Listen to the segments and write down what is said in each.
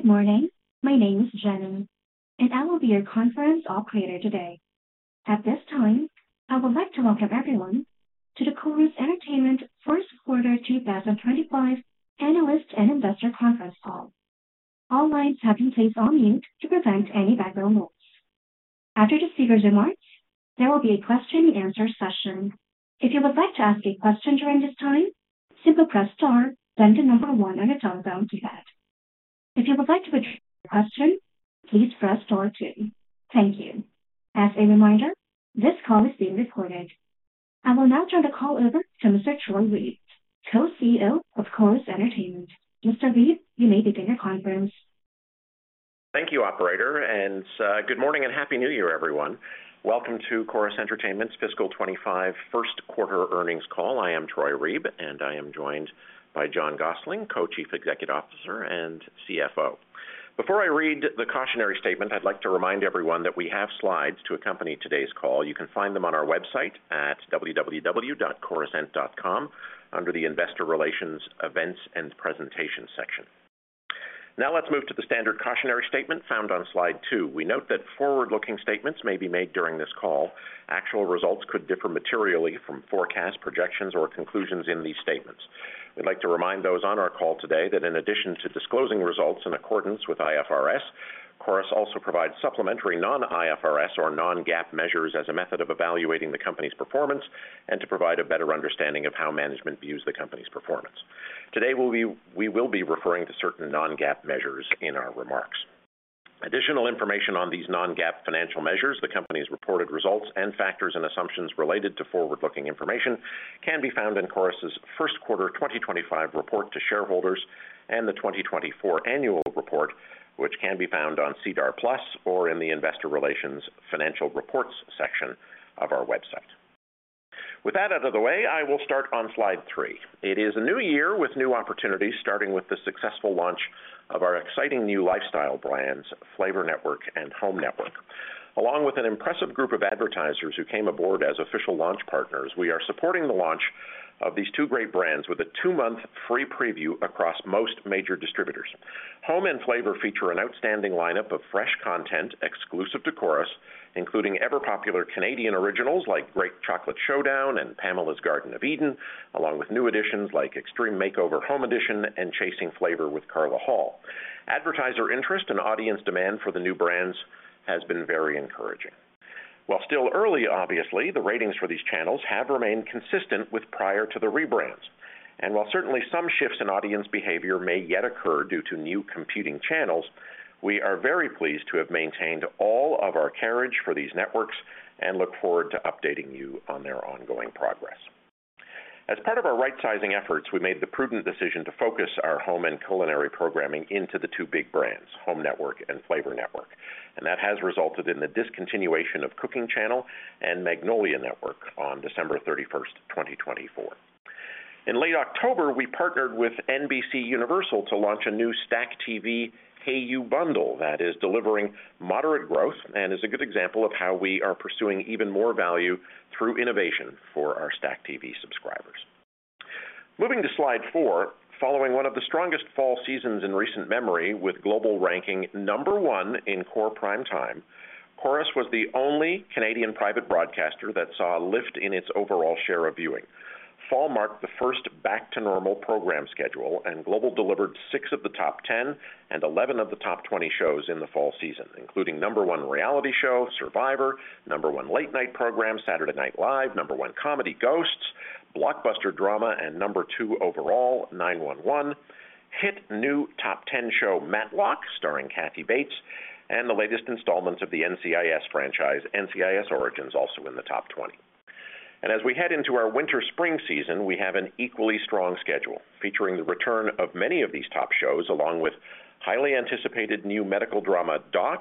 Good morning. My name is Jenny, and I will be your conference operator today. At this time, I would like to welcome everyone to the Corus Entertainment First Quarter 2025 Analyst and Investor Conference Call. All lines have been placed on mute to prevent any background noise. After the speaker's remarks, there will be a question-and-answer session. If you would like to ask a question during this time, simply press star, then the number one on your telephone keypad. If you would like to withdraw your question, please press star two. Thank you. As a reminder, this call is being recorded. I will now turn the call over to Mr. Troy Reeb, Co-CEO of Corus Entertainment. Mr. Reeb, you may begin your conference. Thank you, Operator. And good morning and happy New Year, everyone. Welcome to Corus Entertainment's Fiscal '25 First Quarter Earnings Call. I am Troy Reeb, and I am joined by John Gossling, Co-Chief Executive Officer and CFO. Before I read the cautionary statement, I'd like to remind everyone that we have slides to accompany today's call. You can find them on our website at www.corusent.com under the Investor Relations Events and Presentations section. Now let's move to the standard cautionary statement found on slide two. We note that forward-looking statements may be made during this call. Actual results could differ materially from forecasts, projections, or conclusions in these statements. We'd like to remind those on our call today that in addition to disclosing results in accordance with IFRS, Corus also provides supplementary non-IFRS or non-GAAP measures as a method of evaluating the company's performance and to provide a better understanding of how management views the company's performance. Today, we will be referring to certain non-GAAP measures in our remarks. Additional information on these non-GAAP financial measures, the company's reported results, and factors and assumptions related to forward-looking information can be found in Corus's First Quarter 2025 Report to Shareholders and the 2024 Annual Report, which can be found on SEDAR+ or in the Investor Relations Financial Reports section of our website. With that out of the way, I will start on slide three. It is a new year with new opportunities, starting with the successful launch of our exciting new lifestyle brands, Flavour Network and Home Network. Along with an impressive group of advertisers who came aboard as official launch partners, we are supporting the launch of these two great brands with a two-month free preview across most major distributors. Home and Flavour feature an outstanding lineup of fresh content exclusive to Corus, including ever-popular Canadian originals like Great Chocolate Showdown and Pamela's Garden of Eden, along with new additions like Extreme Makeover: Home Edition and Chasing Flavor with Carla Hall. Advertiser interest and audience demand for the new brands has been very encouraging. While still early, obviously, the ratings for these channels have remained consistent with prior to the rebrands, and while certainly some shifts in audience behavior may yet occur due to new competing channels, we are very pleased to have maintained all of our carriage for these networks and look forward to updating you on their ongoing progress. As part of our right-sizing efforts, we made the prudent decision to focus our home and culinary programming into the two big brands, Home Network and Flavour Network, and that has resulted in the discontinuation of Cooking Channel and Magnolia Network on December 31st, 2024. In late October, we partnered with NBCUniversal to launch a new STACKTV Hayu bundle that is delivering moderate growth and is a good example of how we are pursuing even more value through innovation for our STACKTV subscribers. Moving to slide four, following one of the strongest fall seasons in recent memory with Global ranking number one in core prime time, Corus was the only Canadian private broadcaster that saw a lift in its overall share of viewing. Fall marked the first back-to-normal program schedule, and Global delivered six of the top 10 and 11 of the top 20 shows in the fall season, including number one reality show, Survivor, number one late-night program, Saturday Night Live, number one comedy, Ghosts, blockbuster drama, and number two overall, 9-1-1, hit new top 10 show, Matlock, starring Kathy Bates, and the latest installments of the NCIS franchise, NCIS: Origins, also in the top 20. As we head into our winter-spring season, we have an equally strong schedule featuring the return of many of these top shows along with highly anticipated new medical drama, Doc,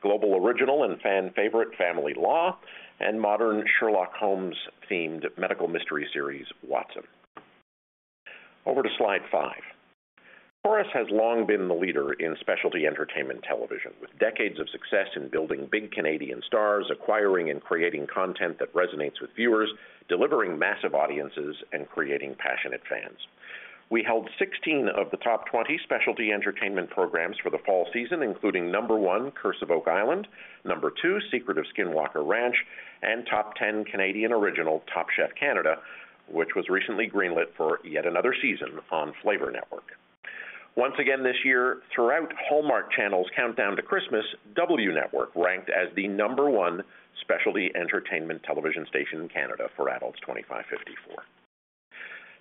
Global original and fan favorite, Family Law, and modern Sherlock Holmes-themed medical mystery series, Watson. Over to slide five. Corus has long been the leader in specialty entertainment television, with decades of success in building big Canadian stars, acquiring and creating content that resonates with viewers, delivering massive audiences, and creating passionate fans. We held 16 of the top 20 specialty entertainment programs for the fall season, including number one, The Curse of Oak Island, number two, The Secret of Skinwalker Ranch, and top 10 Canadian original, Top Chef Canada, which was recently greenlit for yet another season on Flavour Network. Once again this year, throughout Hallmark Channel's Countdown to Christmas, W Network ranked as the number one specialty entertainment television station in Canada for Adults 25-54.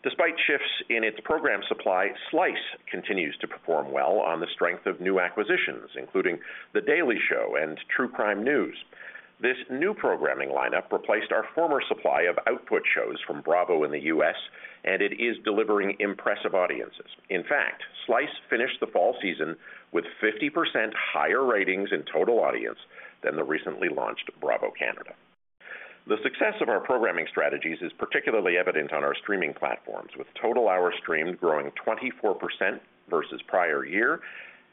Despite shifts in its program supply, Slice continues to perform well on the strength of new acquisitions, including The Daily Show and True Crime News. This new programming lineup replaced our former supply of output shows from Bravo in the US, and it is delivering impressive audiences. In fact, Slice finished the fall season with 50% higher ratings in total audience than the recently launched Bravo Canada. The success of our programming strategies is particularly evident on our streaming platforms, with Total Hours Streamed growing 24% versus prior year,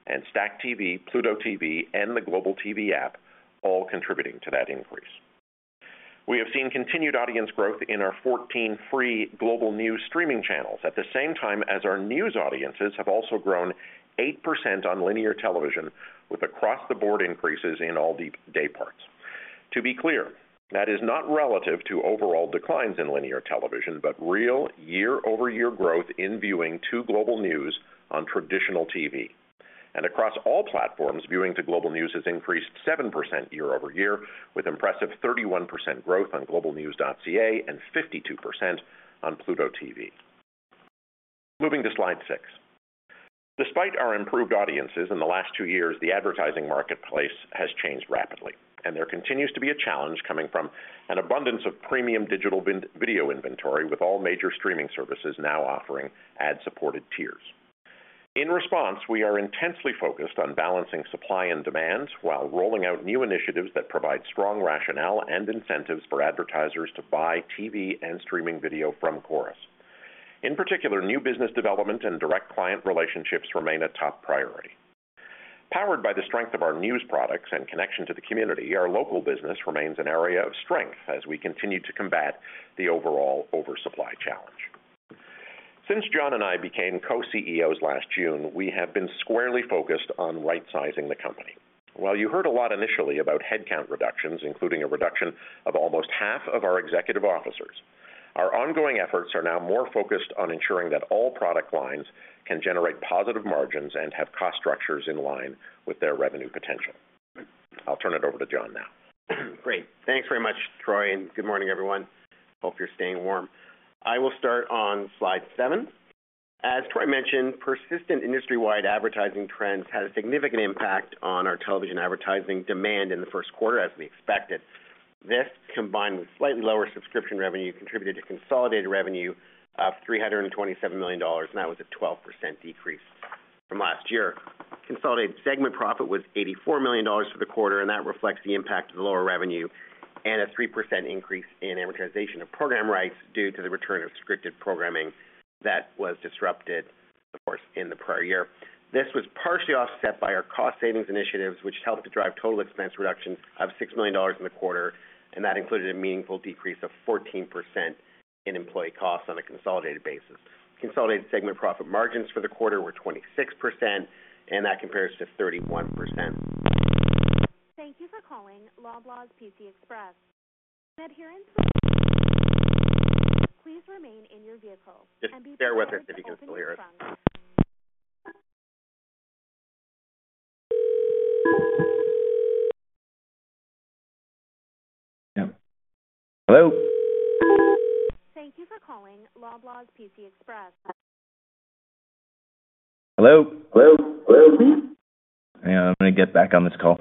and STACKTV, Pluto TV, and the Global TV App all contributing to that increase. We have seen continued audience growth in our 14 free Global News streaming channels at the same time as our news audiences have also grown 8% on linear television, with across-the-board increases in all dayparts. To be clear, that is not relative to overall declines in linear television, but real year-over-year growth in viewing to Global News on traditional TV. And across all platforms, viewing to Global News has increased 7% year-over-year, with impressive 31% growth on globalnews.ca and 52% on Pluto TV. Moving to slide six. Despite our improved audiences in the last two years, the advertising marketplace has changed rapidly, and there continues to be a challenge coming from an abundance of premium digital video inventory, with all major streaming services now offering ad-supported tiers. In response, we are intensely focused on balancing supply and demand while rolling out new initiatives that provide strong rationale and incentives for advertisers to buy TV and streaming video from Corus. In particular, new business development and direct client relationships remain a top priority. Powered by the strength of our news products and connection to the community, our local business remains an area of strength as we continue to combat the overall oversupply challenge. Since John and I became co-CEOs last June, we have been squarely focused on right-sizing the company. While you heard a lot initially about headcount reductions, including a reduction of almost half of our executive officers, our ongoing efforts are now more focused on ensuring that all product lines can generate positive margins and have cost structures in line with their revenue potential. I'll turn it over to John now. Great. Thanks very much, Troy. And good morning, everyone. Hope you're staying warm. I will start on slide seven. As Troy mentioned, persistent industry-wide advertising trends had a significant impact on our television advertising demand in the first quarter, as we expected. This, combined with slightly lower subscription revenue, contributed to consolidated revenue of 327 million dollars, and that was a 12% decrease from last year. Consolidated segment profit was 84 million dollars for the quarter, and that reflects the impact of the lower revenue and a 3% increase in amortization of program rights due to the return of scripted programming that was disrupted, of course, in the prior year. This was partially offset by our cost savings initiatives, which helped to drive total expense reductions of 6 million dollars in the quarter, and that included a meaningful decrease of 14% in employee costs on a consolidated basis. Consolidated segment profit margins for the quarter were 26%, and that compares to 31%. Thank you for calling Loblaws PC Express. Please remain in your vehicle and be careful of the speeding traffic. Yep. Hello? Thank you for calling Loblaws PC Express. Hello. Hello. Hello. Hang on. I'm going to get back on this call.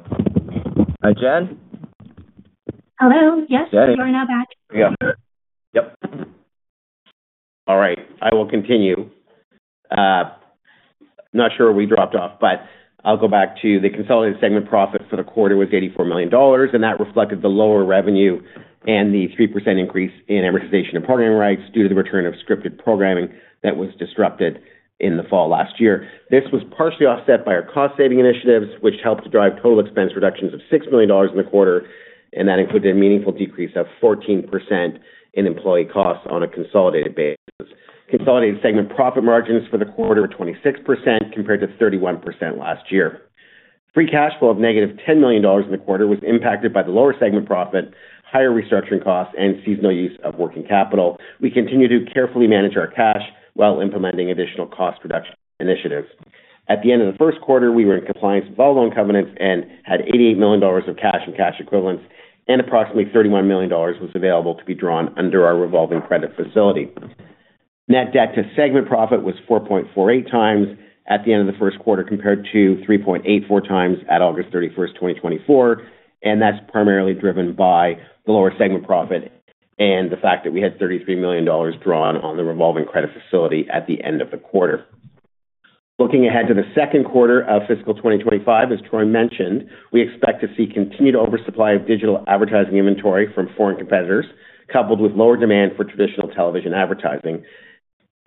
Hi, Jenny? Hello. Yes, you are now back. There you go. Yep. All right. I will continue. I'm not sure where we dropped off, but I'll go back to the consolidated segment profit for the quarter was 84 million dollars, and that reflected the lower revenue and the 3% increase in amortization and programming rights due to the return of scripted programming that was disrupted in the fall last year. This was partially offset by our cost saving initiatives, which helped to drive total expense reductions of 6 million dollars in the quarter, and that included a meaningful decrease of 14% in employee costs on a consolidated basis. Consolidated segment profit margins for the quarter were 26% compared to 31% last year. Free cash flow of negative 10 million dollars in the quarter was impacted by the lower segment profit, higher restructuring costs, and seasonal use of working capital. We continue to carefully manage our cash while implementing additional cost reduction initiatives. At the end of the first quarter, we were in compliance with all loan covenants and had 88 million dollars of cash and cash equivalents, and approximately 31 million dollars was available to be drawn under our revolving credit facility. Net debt to segment profit was 4.48 times at the end of the first quarter compared to 3.84 times at August 31st, 2024, and that's primarily driven by the lower segment profit and the fact that we had 33 million dollars drawn on the revolving credit facility at the end of the quarter. Looking ahead to the second quarter of fiscal 2025, as Troy mentioned, we expect to see continued oversupply of digital advertising inventory from foreign competitors, coupled with lower demand for traditional television advertising.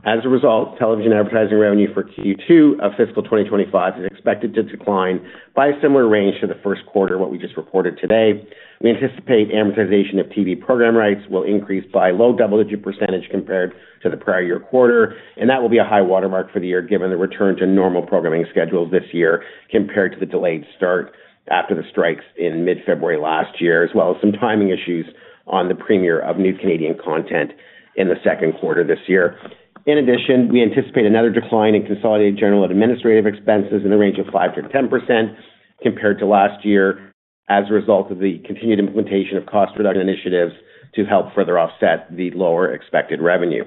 As a result, television advertising revenue for Q2 of fiscal 2025 is expected to decline by a similar range to the first quarter, what we just reported today. We anticipate amortization of TV program rights will increase by a low double-digit % compared to the prior year quarter, and that will be a high watermark for the year given the return to normal programming schedules this year compared to the delayed start after the strikes in mid-February last year, as well as some timing issues on the premiere of new Canadian content in the second quarter this year. In addition, we anticipate another decline in consolidated general administrative expenses in the range of 5%-10% compared to last year as a result of the continued implementation of cost reduction initiatives to help further offset the lower expected revenue.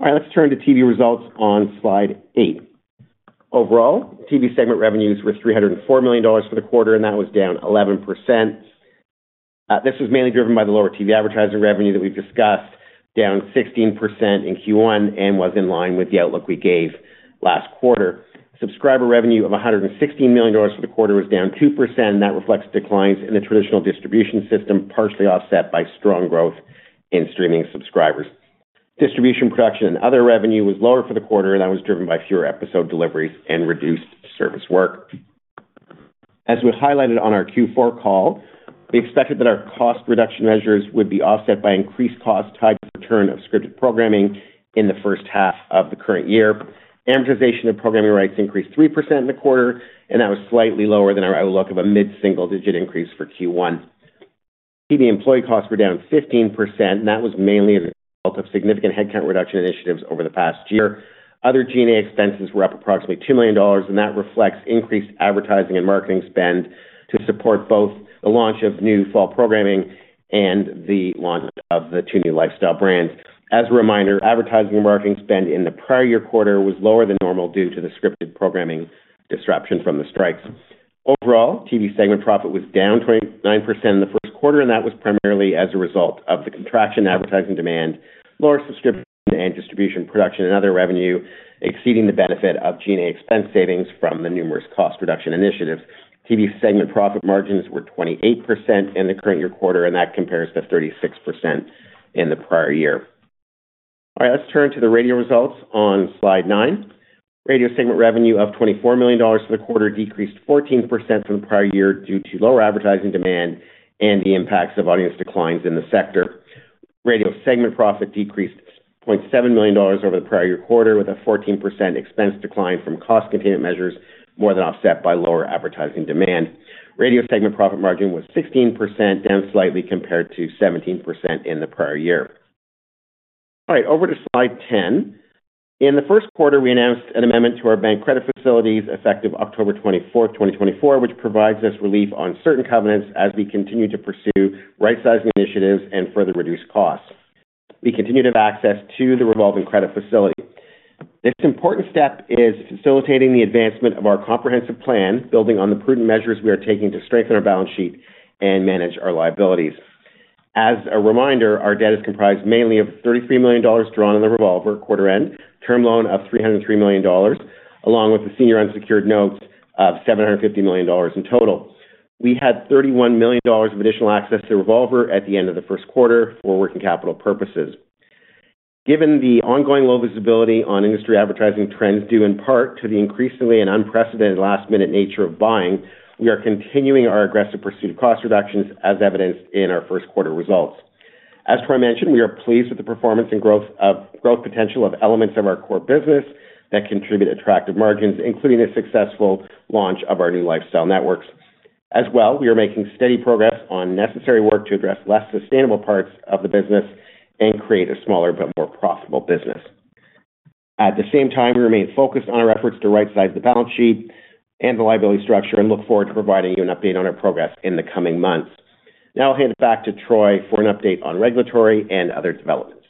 All right. Let's turn to TV results on slide eight. Overall, TV segment revenues were 304 million dollars for the quarter, and that was down 11%. This was mainly driven by the lower TV advertising revenue that we've discussed, down 16% in Q1 and was in line with the outlook we gave last quarter. Subscriber revenue of 116 million dollars for the quarter was down 2%, and that reflects declines in the traditional distribution system, partially offset by strong growth in streaming subscribers. Distribution production and other revenue was lower for the quarter, and that was driven by fewer episode deliveries and reduced service work. As we highlighted on our Q4 call, we expected that our cost reduction measures would be offset by increased costs tied to return of scripted programming in the first half of the current year. Amortization of programming rights increased 3% in the quarter, and that was slightly lower than our outlook of a mid-single-digit increase for Q1. TV employee costs were down 15%, and that was mainly a result of significant headcount reduction initiatives over the past year. Other G&A expenses were up approximately 2 million dollars, and that reflects increased advertising and marketing spend to support both the launch of new fall programming and the launch of the two new lifestyle brands. As a reminder, advertising and marketing spend in the prior year quarter was lower than normal due to the scripted programming disruption from the strikes. Overall, TV segment profit was down 29% in the first quarter, and that was primarily as a result of the contraction in advertising demand, lower subscription and distribution production, and other revenue exceeding the benefit of G&A expense savings from the numerous cost reduction initiatives. TV segment profit margins were 28% in the current year quarter, and that compares to 36% in the prior year. All right. Let's turn to the radio results on slide nine. Radio segment revenue of 24 million dollars for the quarter decreased 14% from the prior year due to lower advertising demand and the impacts of audience declines in the sector. Radio segment profit decreased 0.7 million dollars over the prior year quarter, with a 14% expense decline from cost containment measures more than offset by lower advertising demand. Radio segment profit margin was 16%, down slightly compared to 17% in the prior year. All right. Over to slide 10. In the first quarter, we announced an amendment to our bank credit facilities effective October 24th, 2024, which provides us relief on certain covenants as we continue to pursue right-sizing initiatives and further reduce costs. We continue to have access to the revolving credit facility. This important step is facilitating the advancement of our comprehensive plan, building on the prudent measures we are taking to strengthen our balance sheet and manage our liabilities. As a reminder, our debt is comprised mainly of 33 million dollars drawn in the revolver quarter-end, term loan of 303 million dollars, along with the senior unsecured notes of 750 million dollars in total. We had 31 million dollars of additional access to the revolver at the end of the first quarter for working capital purposes. Given the ongoing low visibility on industry advertising trends due in part to the increasingly and unprecedented last-minute nature of buying, we are continuing our aggressive pursuit of cost reductions as evidenced in our first quarter results. As Troy mentioned, we are pleased with the performance and growth potential of elements of our core business that contribute attractive margins, including the successful launch of our new lifestyle networks. As well, we are making steady progress on necessary work to address less sustainable parts of the business and create a smaller but more profitable business. At the same time, we remain focused on our efforts to right-size the balance sheet and the liability structure and look forward to providing you an update on our progress in the coming months. Now I'll hand it back to Troy for an update on regulatory and other developments.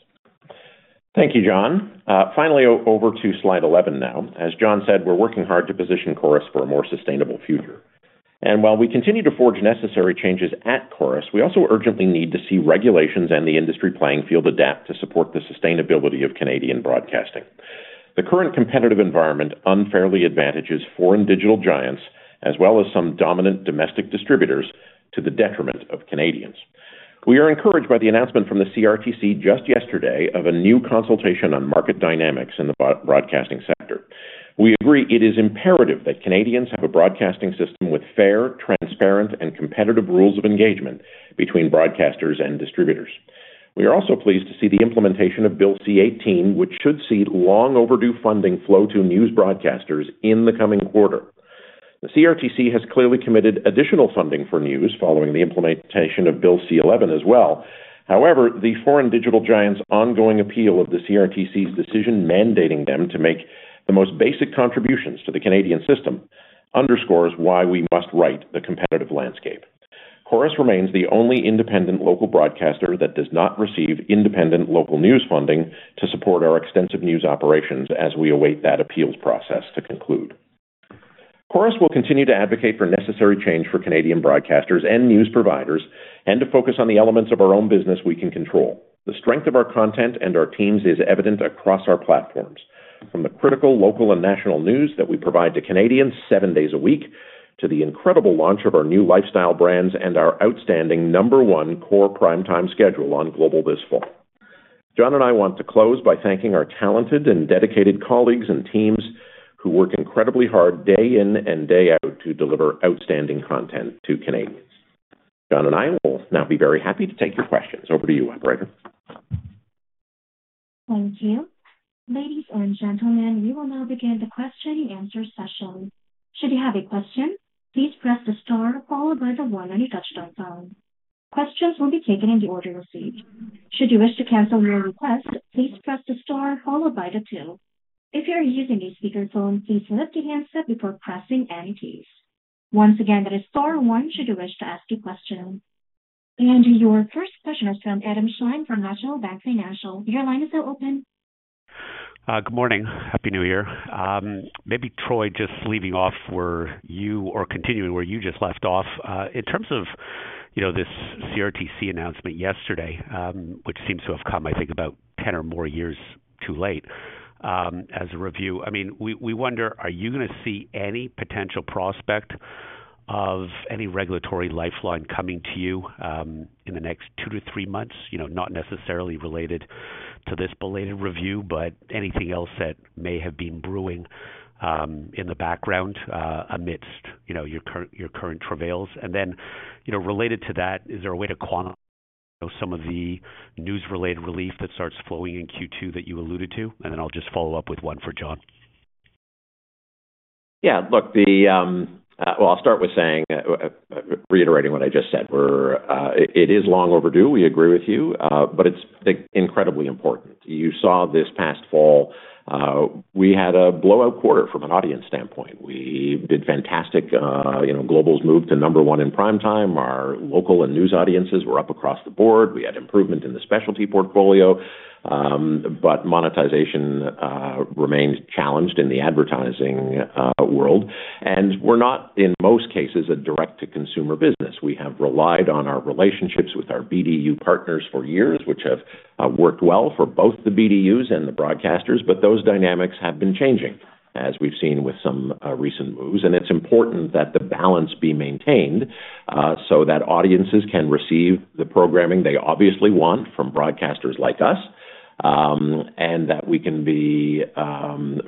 Thank you, John. Finally, over to slide 11 now. As John said, we're working hard to position Corus for a more sustainable future, and while we continue to forge necessary changes at Corus, we also urgently need to see regulations and the industry playing field adapt to support the sustainability of Canadian broadcasting. The current competitive environment unfairly advantages foreign digital giants, as well as some dominant domestic distributors, to the detriment of Canadians. We are encouraged by the announcement from the CRTC just yesterday of a new consultation on market dynamics in the broadcasting sector. We agree it is imperative that Canadians have a broadcasting system with fair, transparent, and competitive rules of engagement between broadcasters and distributors. We are also pleased to see the implementation of Bill C-18, which should see long-overdue funding flow to news broadcasters in the coming quarter. The CRTC has clearly committed additional funding for news following the implementation of Bill C-11 as well. However, the foreign digital giants' ongoing appeal of the CRTC's decision mandating them to make the most basic contributions to the Canadian system underscores why we must right the competitive landscape. Corus remains the only independent local broadcaster that does not receive independent local news funding to support our extensive news operations as we await that appeals process to conclude. Corus will continue to advocate for necessary change for Canadian broadcasters and news providers and to focus on the elements of our own business we can control. The strength of our content and our teams is evident across our platforms, from the critical local and national news that we provide to Canadians seven days a week to the incredible launch of our new lifestyle brands and our outstanding number one core prime-time schedule on Global this fall. John and I want to close by thanking our talented and dedicated colleagues and teams who work incredibly hard day in and day out to deliver outstanding content to Canadians. John and I will now be very happy to take your questions. Over to you, Operator. Thank you. Ladies and gentlemen, we will now begin the question-and-answer session. Should you have a question, please press the star followed by the one on your touch-tone phone. Questions will be taken in the order received. Should you wish to cancel your request, please press the star followed by the two. If you are using a speakerphone, please lift the handset before pressing any keys. Once again, that is star one should you wish to ask a question, and your first question is from Adam Shine from National Bank Financial. Your line is now open. Good morning. Happy New Year. Maybe Troy just leaving off where you or continuing where you just left off. In terms of this CRTC announcement yesterday, which seems to have come, I think, about 10 or more years too late as a review, I mean, we wonder, are you going to see any potential prospect of any regulatory lifeline coming to you in the next two to three months, not necessarily related to this related review, but anything else that may have been brewing in the background amidst your current travails? And then related to that, is there a way to quantify some of the news-related relief that starts flowing in Q2 that you alluded to? And then I'll just follow up with one for John. Yeah. Look, well, I'll start with saying, reiterating what I just said, it is long overdue. We agree with you, but it's incredibly important. You saw this past fall, we had a blowout quarter from an audience standpoint. We did fantastic. Global's moved to number one in prime-time. Our local and news audiences were up across the board. We had improvement in the specialty portfolio, but monetization remained challenged in the advertising world. And we're not, in most cases, a direct-to-consumer business. We have relied on our relationships with our BDU partners for years, which have worked well for both the BDUs and the broadcasters, but those dynamics have been changing, as we've seen with some recent moves. And it's important that the balance be maintained so that audiences can receive the programming they obviously want from broadcasters like us and that we can be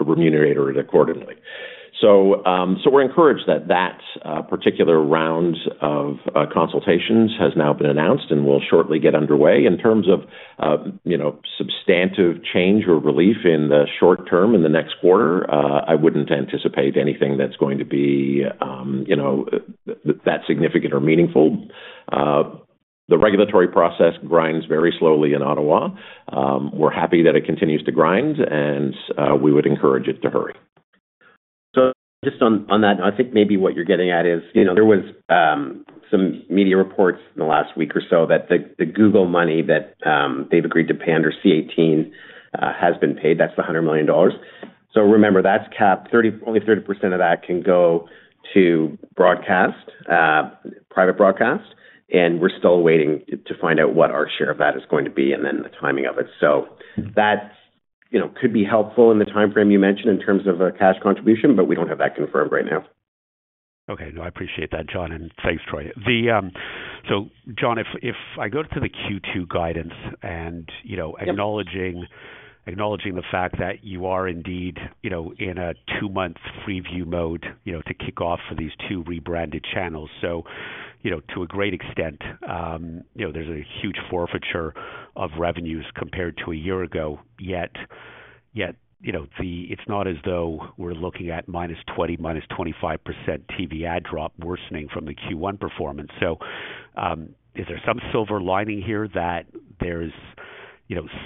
remunerated accordingly. We're encouraged that that particular round of consultations has now been announced and will shortly get underway. In terms of substantive change or relief in the short term in the next quarter, I wouldn't anticipate anything that's going to be that significant or meaningful. The regulatory process grinds very slowly in Ottawa. We're happy that it continues to grind, and we would encourage it to hurry. Just on that, I think maybe what you're getting at is there was some media reports in the last week or so that the Google money that they've agreed to pay under C-18 has been paid. That's the 100 million dollars. Remember, that's capped. Only 30% of that can go to broadcast, private broadcast, and we're still waiting to find out what our share of that is going to be and then the timing of it. So that could be helpful in the timeframe you mentioned in terms of a cash contribution, but we don't have that confirmed right now. Okay. No, I appreciate that, John, and thanks, Troy. So John, if I go to the Q2 guidance and acknowledging the fact that you are indeed in a two-month preview mode to kick off for these two rebranded channels. So to a great extent, there's a huge forfeiture of revenues compared to a year ago, yet it's not as though we're looking at minus 20%-25% TV ad drop worsening from the Q1 performance. So is there some silver lining here that there's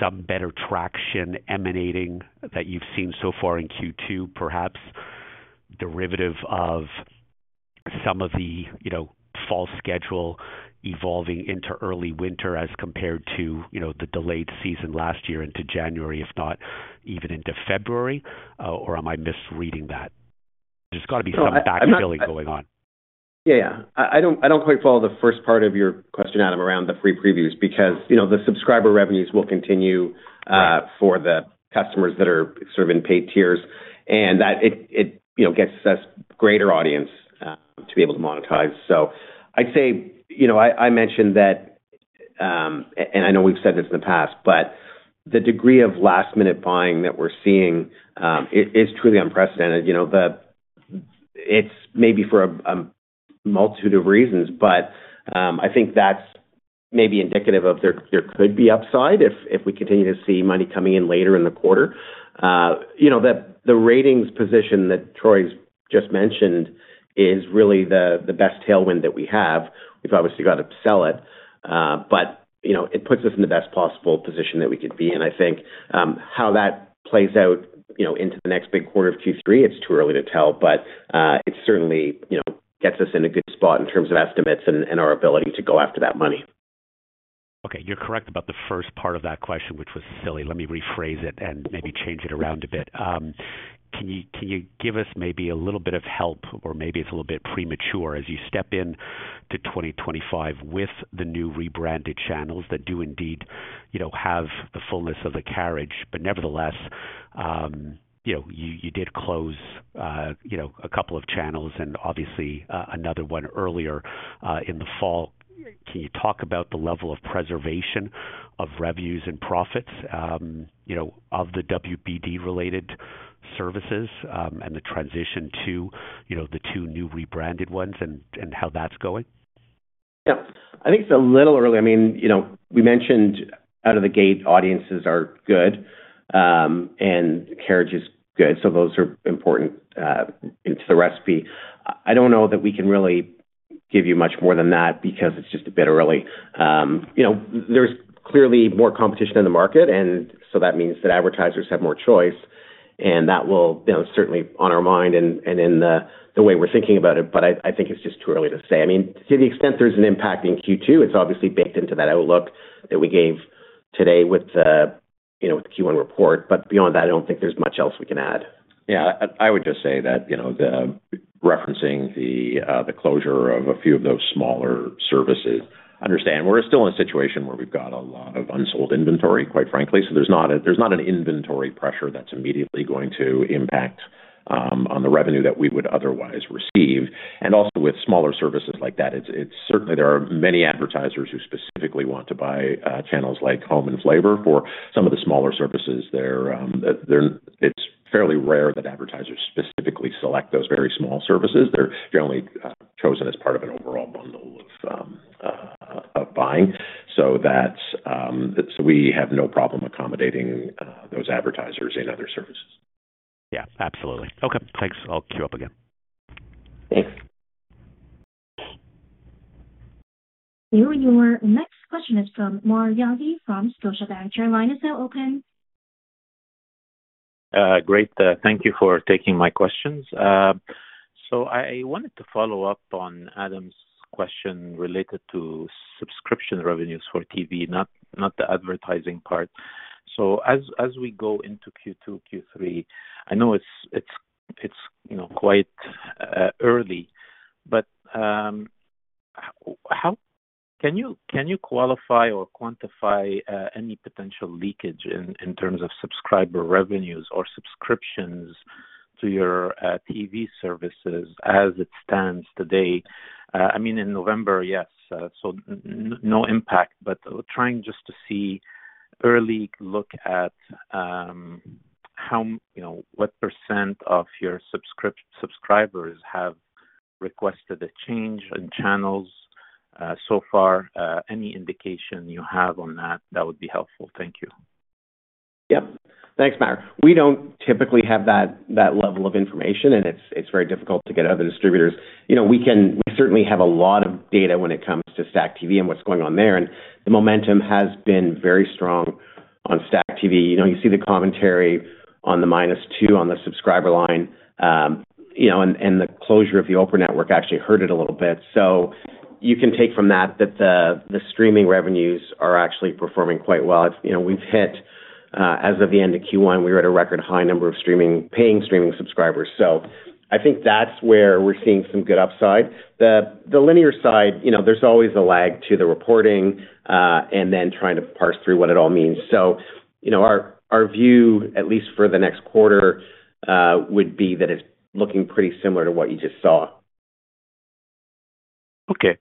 some better traction emanating that you've seen so far in Q2, perhaps derivative of some of the fall schedule evolving into early winter as compared to the delayed season last year into January, if not even into February? Or am I misreading that? There's got to be some backfilling going on. Yeah. Yeah. I don't quite follow the first part of your question, Adam, around the free previews because the subscriber revenues will continue for the customers that are sort of in paid tiers, and it gets us greater audience to be able to monetize. So I'd say I mentioned that, and I know we've said this in the past, but the degree of last-minute buying that we're seeing is truly unprecedented. It's maybe for a multitude of reasons, but I think that's maybe indicative of there could be upside if we continue to see money coming in later in the quarter. The ratings position that Troy just mentioned is really the best tailwind that we have. We've obviously got to sell it, but it puts us in the best possible position that we could be. I think how that plays out into the next big quarter of Q3, it's too early to tell, but it certainly gets us in a good spot in terms of estimates and our ability to go after that money. Okay. You're correct about the first part of that question, which was silly. Let me rephrase it and maybe change it around a bit. Can you give us maybe a little bit of help, or maybe it's a little bit premature as you step into 2025 with the new rebranded channels that do indeed have the fullness of the carriage? But nevertheless, you did close a couple of channels and obviously another one earlier in the fall. Can you talk about the level of preservation of revenues and profits of the WBD-related services and the transition to the two new rebranded ones and how that's going? Yeah. I think it's a little early. I mean, we mentioned out of the gate, audiences are good and carriage is good. So those are important to the recipe. I don't know that we can really give you much more than that because it's just a bit early. There's clearly more competition in the market, and so that means that advertisers have more choice, and that will certainly be on our mind and in the way we're thinking about it. But I think it's just too early to say. I mean, to the extent there's an impact in Q2, it's obviously baked into that outlook that we gave today with the Q1 report. But beyond that, I don't think there's much else we can add. Yeah. I would just say that referencing the closure of a few of those smaller services, understand we're still in a situation where we've got a lot of unsold inventory, quite frankly. So there's not an inventory pressure that's immediately going to impact on the revenue that we would otherwise receive. And also with smaller services like that, certainly there are many advertisers who specifically want to buy channels like Home and Flavour. For some of the smaller services, it's fairly rare that advertisers specifically select those very small services. They're generally chosen as part of an overall bundle of buying. So we have no problem accommodating those advertisers in other services. Yeah. Absolutely. Okay. Thanks. I'll queue up again. Thanks. Your next question is from Maher Yaghi from Scotiabank. Your line is now open. Great. Thank you for taking my questions. So I wanted to follow up on Adam's question related to subscription revenues for TV, not the advertising part. So as we go into Q2, Q3, I know it's quite early, but can you qualify or quantify any potential leakage in terms of subscriber revenues or subscriptions to your TV services as it stands today? I mean, in November, yes. So no impact, but trying just to see early look at what % of your subscribers have requested a change in channels so far. Any indication you have on that, that would be helpful. Thank you. Yep. Thanks, Mark. We don't typically have that level of information, and it's very difficult to get other distributors. We certainly have a lot of data when it comes to STACKTV and what's going on there. And the momentum has been very strong on STACKTV. You see the commentary on the minus two on the subscriber line, and the closure of the Oprah Network actually hurt it a little bit. So you can take from that that the streaming revenues are actually performing quite well. As of the end of Q1, we were at a record high number of paying streaming subscribers. So I think that's where we're seeing some good upside. The linear side, there's always a lag to the reporting and then trying to parse through what it all means. So our view, at least for the next quarter, would be that it's looking pretty similar to what you just saw. Okay.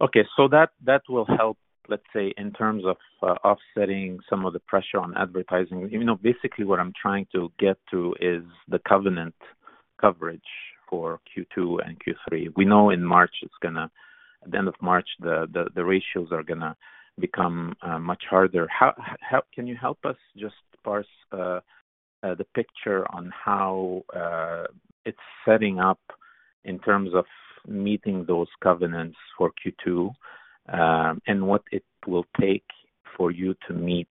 Okay. So that will help, let's say, in terms of offsetting some of the pressure on advertising. Basically, what I'm trying to get to is the covenant coverage for Q2 and Q3. We know in March, at the end of March, the ratios are going to become much harder. Can you help us just parse the picture on how it's setting up in terms of meeting those covenants for Q2 and what it will take for you to meet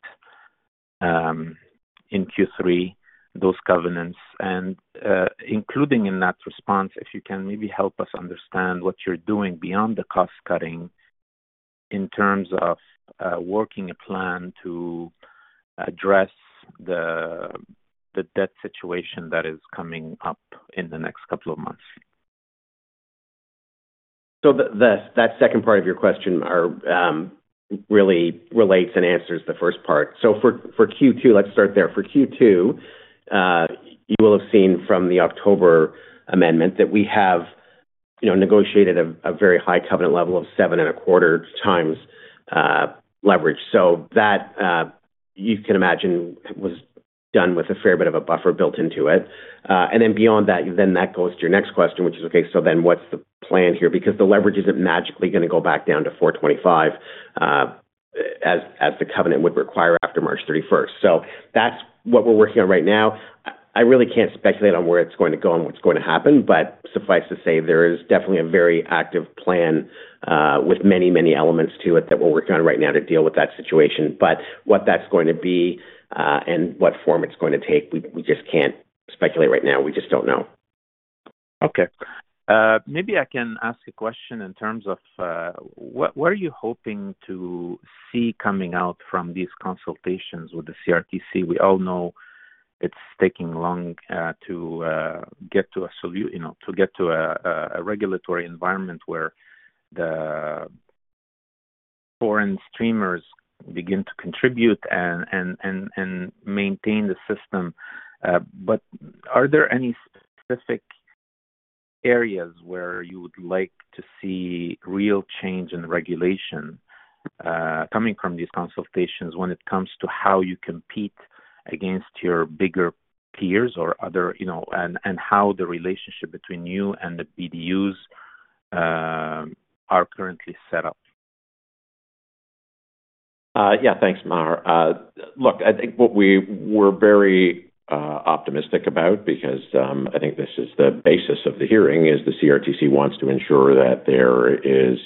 in Q3 those covenants? And including in that response, if you can maybe help us understand what you're doing beyond the cost-cutting in terms of working a plan to address the debt situation that is coming up in the next couple of months? That second part of your question really relates and answers the first part. For Q2, let's start there. For Q2, you will have seen from the October amendment that we have negotiated a very high covenant level of 7.25 times leverage. That, you can imagine, was done with a fair bit of a buffer built into it. Then beyond that, then that goes to your next question, which is, okay, so then what's the plan here? Because the leverage isn't magically going to go back down to 4.25 as the covenant would require after March 31st. That's what we're working on right now. I really can't speculate on where it's going to go and what's going to happen, but suffice to say, there is definitely a very active plan with many, many elements to it that we're working on right now to deal with that situation. But what that's going to be and what form it's going to take, we just can't speculate right now. We just don't know. Okay. Maybe I can ask a question in terms of where are you hoping to see coming out from these consultations with the CRTC? We all know it's taking long to get to a solution, to get to a regulatory environment where the foreign streamers begin to contribute and maintain the system. But are there any specific areas where you would like to see real change in regulation coming from these consultations when it comes to how you compete against your bigger peers or other and how the relationship between you and the BDUs are currently set up? Yeah. Thanks, Mark. Look, I think what we were very optimistic about because I think this is the basis of the hearing, is the CRTC wants to ensure that there is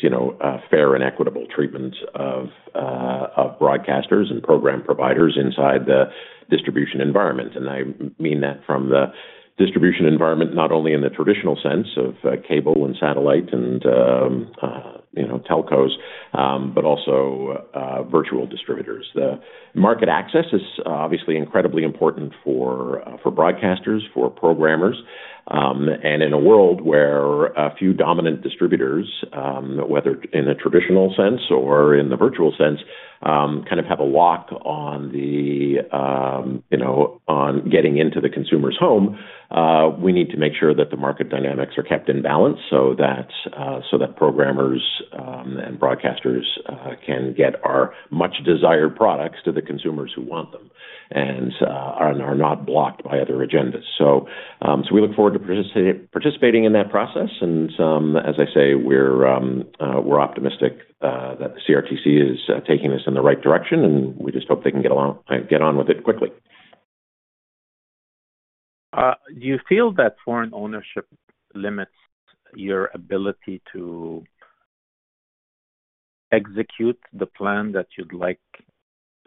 fair and equitable treatment of broadcasters and program providers inside the distribution environment. And I mean that from the distribution environment, not only in the traditional sense of cable and satellite and telcos, but also virtual distributors. The market access is obviously incredibly important for broadcasters, for programmers. And in a world where a few dominant distributors, whether in a traditional sense or in the virtual sense, kind of have a lock on getting into the consumer's home, we need to make sure that the market dynamics are kept in balance so that programmers and broadcasters can get our much-desired products to the consumers who want them and are not blocked by other agendas. So we look forward to participating in that process. And as I say, we're optimistic that the CRTC is taking us in the right direction, and we just hope they can get on with it quickly. Do you feel that foreign ownership limits your ability to execute the plan that you'd like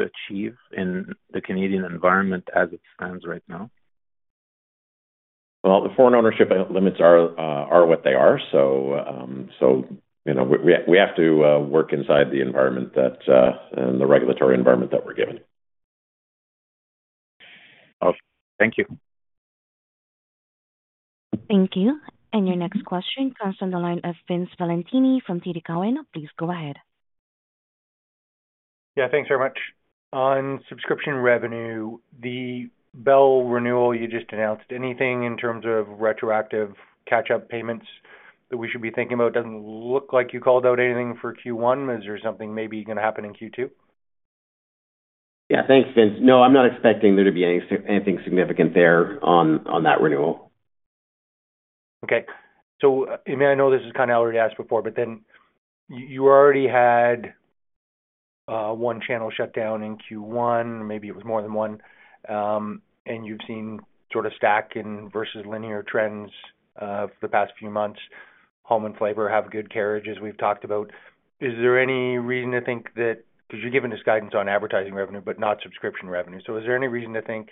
to achieve in the Canadian environment as it stands right now? Well, the foreign ownership limits are what they are. So we have to work inside the environment and the regulatory environment that we're given. Okay. Thank you. Thank you. And your next question comes from the line of Vince Valentini from TD Cowen. Please go ahead. Yeah. Thanks very much. On subscription revenue, the Bell renewal you just announced, anything in terms of retroactive catch-up payments that we should be thinking about? It doesn't look like you called out anything for Q1. Is there something maybe going to happen in Q2? Yeah. Thanks, Vince. No, I'm not expecting there to be anything significant there on that renewal. Okay. So I mean, I know this is kind of already asked before, but then you already had one channel shut down in Q1. Maybe it was more than one. And you've seen sort of StackTV versus linear trends for the past few months. Home and Flavour have good carriages, we've talked about. Is there any reason to think that because you're giving us guidance on advertising revenue, but not subscription revenue? So is there any reason to think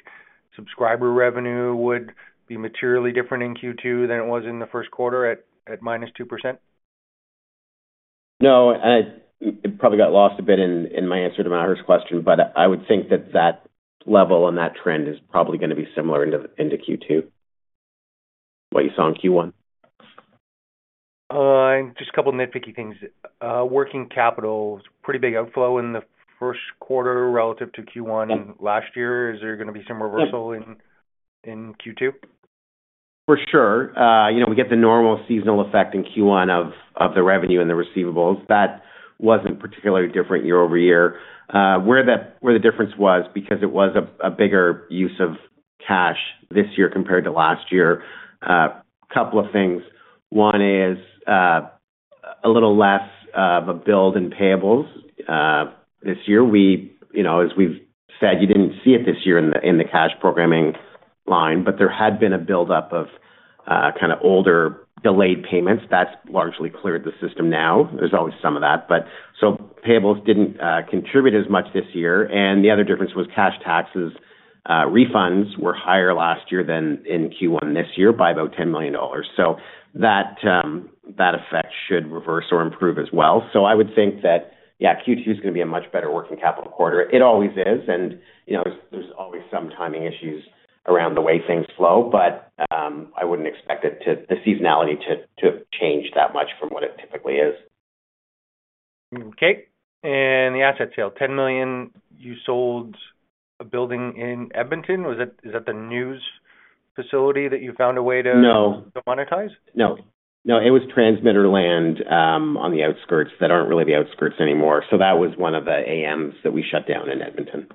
subscriber revenue would be materially different in Q2 than it was in the first quarter at minus 2%? No. It probably got lost a bit in my answer to Mark's question, but I would think that that level and that trend is probably going to be similar into Q2, what you saw in Q1. Just a couple of nitpicky things. Working capital, pretty big outflow in the first quarter relative to Q1 last year. Is there going to be some reversal in Q2? For sure. We get the normal seasonal effect in Q1 of the revenue and the receivables. That wasn't particularly different year over year. Where the difference was, because it was a bigger use of cash this year compared to last year, a couple of things. One is a little less of a build in payables this year. As we've said, you didn't see it this year in the cash programming line, but there had been a buildup of kind of older delayed payments. That's largely cleared the system now. There's always some of that. So payables didn't contribute as much this year. And the other difference was cash tax refunds were higher last year than in Q1 this year by about 10 million dollars. So that effect should reverse or improve as well. So I would think that, yeah, Q2 is going to be a much better working capital quarter. It always is, and there's always some timing issues around the way things flow, but I wouldn't expect the seasonality to change that much from what it typically is. Okay. And the asset sale, 10 million, you sold a building in Edmonton. Is that the news facility that you found a way to monetize? No. No. It was transmitter land on the outskirts that aren't really the outskirts anymore. So that was one of the AMs that we shut down in Edmonton.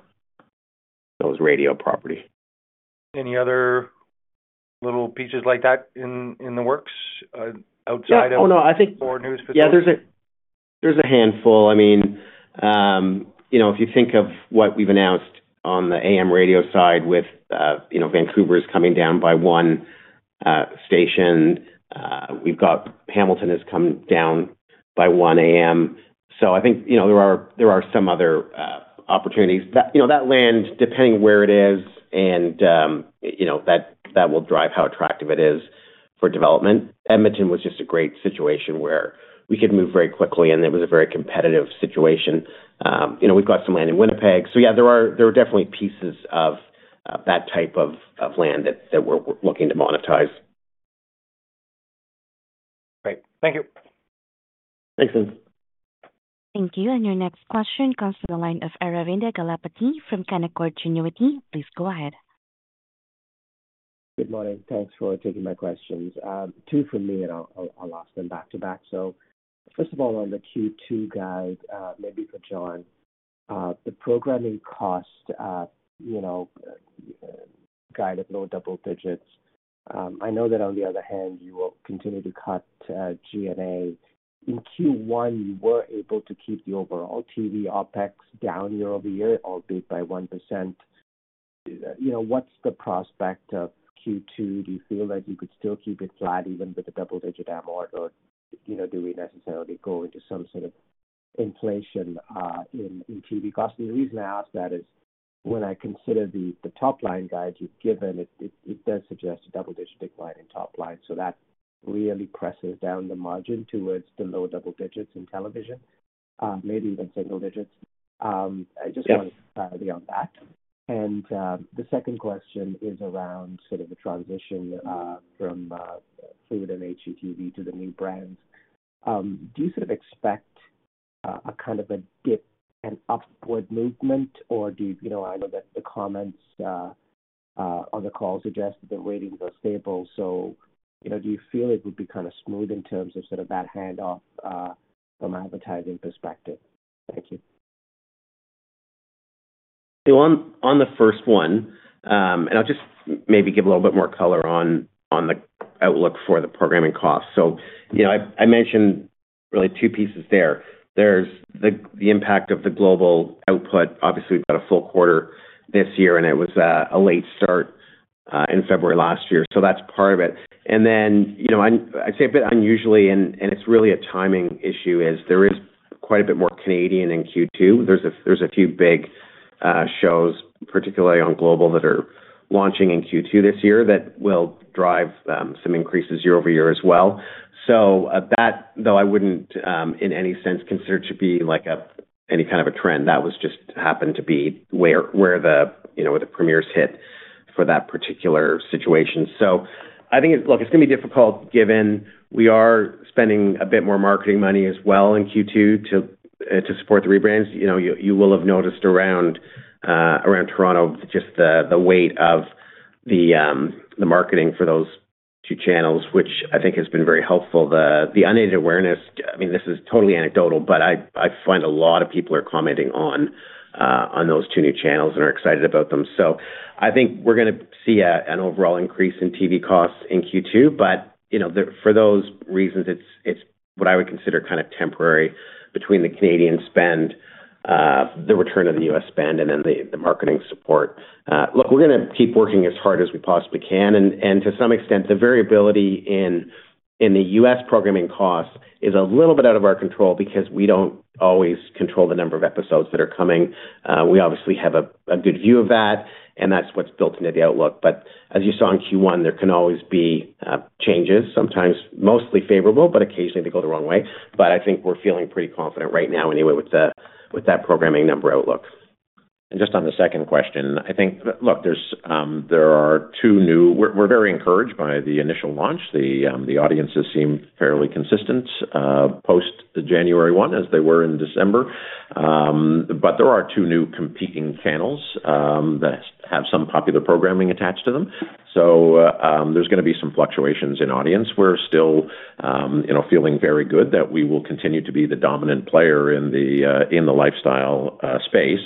That was radio property. Any other little pieces like that in the works outside of? Yeah. Oh, no. Or news facility? Yeah. There's a handful. I mean, if you think of what we've announced on the AM radio side with Vancouver's coming down by one station, Hamilton has come down by one AM. So I think there are some other opportunities. That land, depending where it is, and that will drive how attractive it is for development. Edmonton was just a great situation where we could move very quickly, and it was a very competitive situation. We've got some land in Winnipeg. So yeah, there are definitely pieces of that type of land that we're looking to monetize. Great. Thank you. Thanks, Vince. Thank you. And your next question comes from the line of Aravinda Galappatthige from Canaccord Genuity. Please go ahead. Good morning. Thanks for taking my questions. Two for me, and I'll ask them back to back. So first of all, on the Q2 guide, maybe for John, the programming cost guide of low double digits. I know that on the other hand, you will continue to cut GNA. In Q1, you were able to keep the overall TV OPEX down year over year, albeit by 1%. What's the prospect of Q2? Do you feel that you could still keep it flat even with a double-digit amount, or do we necessarily go into some sort of inflation in TV costs? The reason I ask that is when I consider the top-line guide you've given, it does suggest a double-digit decline in top-line. So that really presses down the margin towards the low double digits in television, maybe even single digits. I just wanted to clarify on that. And the second question is around sort of the transition from Food and HGTV to the new brands. Do you sort of expect a kind of a dip and upward movement, or do you know? I know that the comments on the call suggest that the ratings are stable. So do you feel it would be kind of smooth in terms of sort of that handoff from an advertising perspective? Thank you. On the first one, I'll just maybe give a little bit more color on the outlook for the programming costs. I mentioned really two pieces there. There's the impact of the Global output. Obviously, we've got a full quarter this year, and it was a late start in February last year. So that's part of it. And then I'd say a bit unusually, and it's really a timing issue, is there is quite a bit more Canadian in Q2. There's a few big shows, particularly on Global, that are launching in Q2 this year that will drive some increases year over year as well. So that, though I wouldn't in any sense consider to be any kind of a trend, that was just happen to be where the premieres hit for that particular situation. So, I think, look, it's going to be difficult given we are spending a bit more marketing money as well in Q2 to support the rebrands. You will have noticed around Toronto just the weight of the marketing for those two channels, which I think has been very helpful. The unaided awareness, I mean, this is totally anecdotal, but I find a lot of people are commenting on those two new channels and are excited about them. So, I think we're going to see an overall increase in TV costs in Q2. But for those reasons, it's what I would consider kind of temporary between the Canadian spend, the return of the U.S. spend, and then the marketing support. Look, we're going to keep working as hard as we possibly can. And to some extent, the variability in the U.S. programming costs is a little bit out of our control because we don't always control the number of episodes that are coming. We obviously have a good view of that, and that's what's built into the outlook. But as you saw in Q1, there can always be changes, sometimes mostly favorable, but occasionally they go the wrong way. But I think we're feeling pretty confident right now anyway with that programming number outlook. And just on the second question, I think, look, there are two new. We're very encouraged by the initial launch. The audiences seem fairly consistent post-January 1 as they were in December. But there are two new competing channels that have some popular programming attached to them. So there's going to be some fluctuations in audience. We're still feeling very good that we will continue to be the dominant player in the lifestyle space.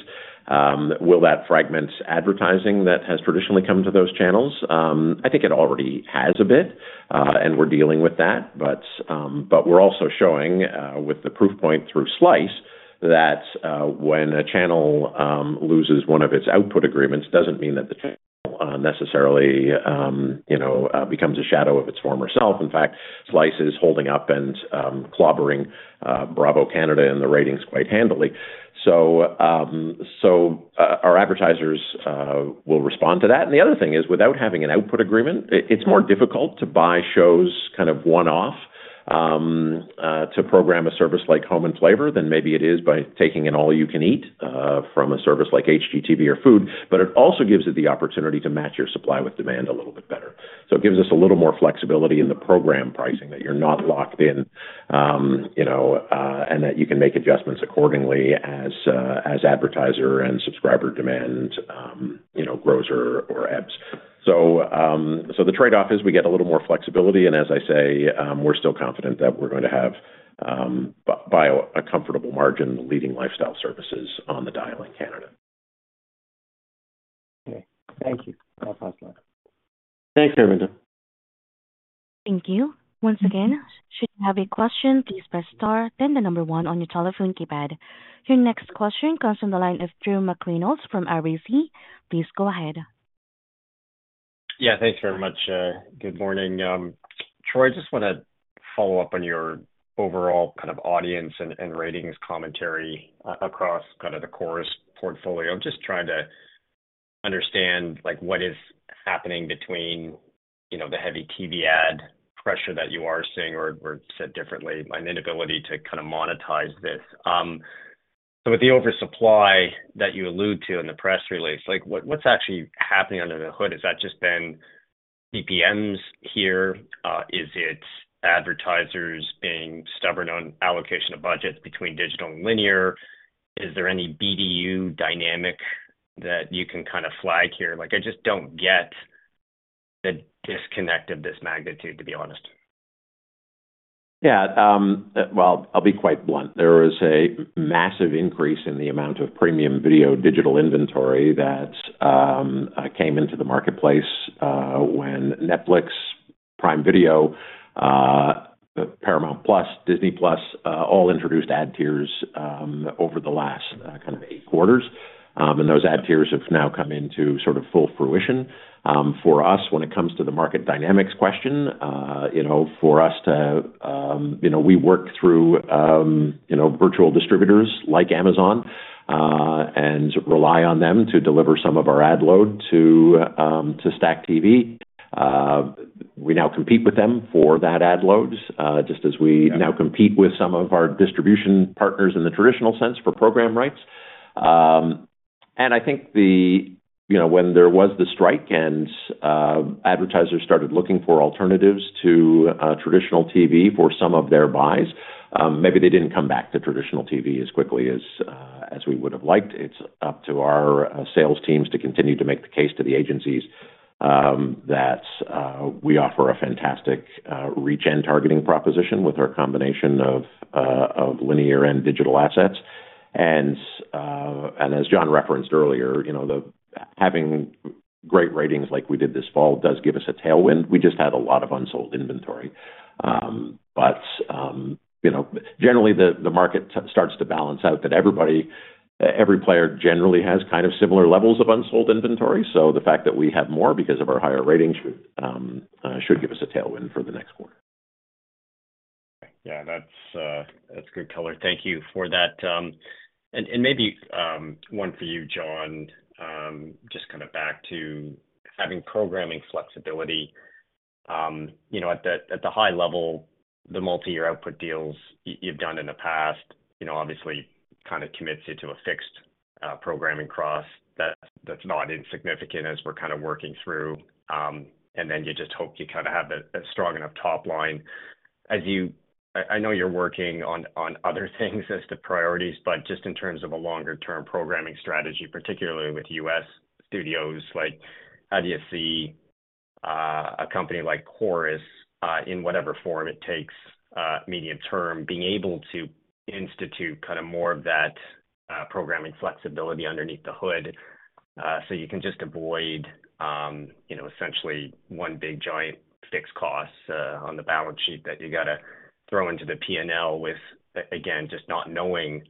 Will that fragment advertising that has traditionally come to those channels? I think it already has a bit, and we're dealing with that. But we're also showing with the proof point through Slice that when a channel loses one of its output agreements, it doesn't mean that the channel necessarily becomes a shadow of its former self. In fact, Slice is holding up and clobbering Bravo Canada in the ratings quite handily. So our advertisers will respond to that. And the other thing is, without having an output agreement, it's more difficult to buy shows kind of one-off to program a service like Home and Flavour than maybe it is by taking an all-you-can-eat from a service like HGTV or Food. But it also gives you the opportunity to match your supply with demand a little bit better. So it gives us a little more flexibility in the program pricing that you're not locked in and that you can make adjustments accordingly as advertiser and subscriber demand grows or ebbs. So the trade-off is we get a little more flexibility. And as I say, we're still confident that we're going to have by a comfortable margin leading lifestyle services on the dial in Canada. Okay. Thank you. That's awesome. Thanks, Aravinda. Thank you. Once again, should you have a question, please press star, then the number one on your telephone keypad. Your next question comes from the line of Drew McReynolds from RBC. Please go ahead. Yeah. Thanks very much. Good morning. Troy, I just want to follow up on your overall kind of audience and ratings commentary across kind of the Corus portfolio. I'm just trying to understand what is happening between the heavy TV ad pressure that you are seeing, or said differently, my inability to kind of monetize this. So with the oversupply that you allude to in the press release, what's actually happening under the hood? Has that just been CPMs here? Is it advertisers being stubborn on allocation of budgets between digital and linear? Is there any BDU dynamic that you can kind of flag here? I just don't get the disconnect of this magnitude, to be honest. Yeah. Well, I'll be quite blunt. There was a massive increase in the amount of premium video digital inventory that came into the marketplace when Netflix, Prime Video, Paramount+, Disney+ all introduced ad tiers over the last kind of eight quarters. And those ad tiers have now come into sort of full fruition. For us, when it comes to the market dynamics question, for us we work through virtual distributors like Amazon and rely on them to deliver some of our ad load to STACKTV. We now compete with them for that ad load just as we now compete with some of our distribution partners in the traditional sense for program rights. I think when there was the strike and advertisers started looking for alternatives to traditional TV for some of their buys, maybe they didn't come back to traditional TV as quickly as we would have liked. It's up to our sales teams to continue to make the case to the agencies that we offer a fantastic generational targeting proposition with our combination of linear and digital assets. And as John referenced earlier, having great ratings like we did this fall does give us a tailwind. We just had a lot of unsold inventory. But generally, the market starts to balance out that everybody, every player generally has kind of similar levels of unsold inventory. So the fact that we have more because of our higher ratings should give us a tailwind for the next quarter. Yeah. That's good color. Thank you for that and maybe one for you, John, just kind of back to having programming flexibility. At the high level, the multi-year output deals you've done in the past obviously kind of commits you to a fixed programming cost that's not insignificant as we're kind of working through and then you just hope you kind of have a strong enough top line. I know you're working on other things as to priorities, but just in terms of a longer-term programming strategy, particularly with U.S. studios, how do you see a company like Corus, in whatever form it takes medium term, being able to institute kind of more of that programming flexibility underneath the hood so you can just avoid essentially one big giant fixed cost on the balance sheet that you got to throw into the P&L with, again, just not knowing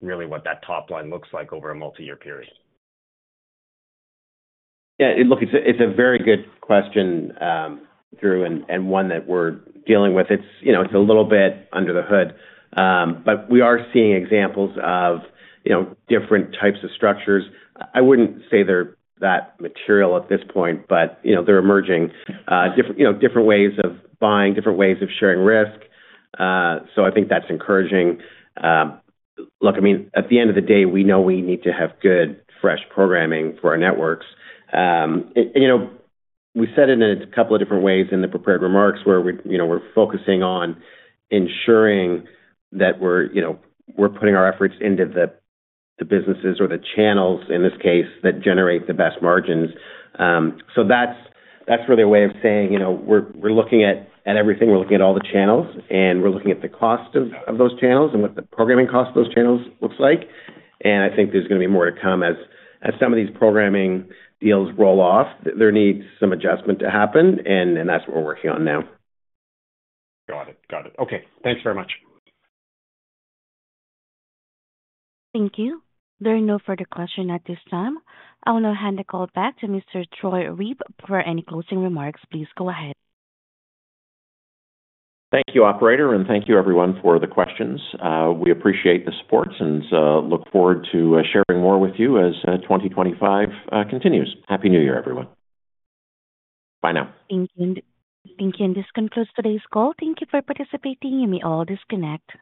really what that top line looks like over a multi-year period? Yeah. Look, it's a very good question, Drew, and one that we're dealing with. It's a little bit under the hood. But we are seeing examples of different types of structures. I wouldn't say they're that material at this point, but they're emerging different ways of buying, different ways of sharing risk. So I think that's encouraging. Look, I mean, at the end of the day, we know we need to have good, fresh programming for our networks. We said it in a couple of different ways in the prepared remarks where we're focusing on ensuring that we're putting our efforts into the businesses or the channels, in this case, that generate the best margins. So that's really a way of saying we're looking at everything. We're looking at all the channels, and we're looking at the cost of those channels and what the programming cost of those channels looks like. And I think there's going to be more to come as some of these programming deals roll off. There needs some adjustment to happen, and that's what we're working on now. Got it. Got it. Okay. Thanks very much. Thank you. There are no further questions at this time. I will now hand the call back to Mr. Troy Reeb. For any closing remarks, please go ahead. Thank you, operator, and thank you, everyone, for the questions. We appreciate the support and look forward to sharing more with you as 2025 continues. Happy New Year, everyone. Bye now. Thank you. And this concludes today's call. Thank you for participating. You may all disconnect.